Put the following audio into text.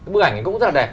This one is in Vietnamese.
bức ảnh cũng rất là đẹp